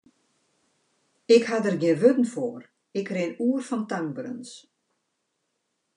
Ik ha der gjin wurden foar, ik rin oer fan tankberens.